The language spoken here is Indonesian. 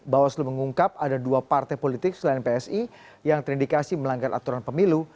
bawaslu mengungkap ada dua partai politik selain psi yang terindikasi melanggar aturan pemilu